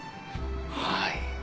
はい。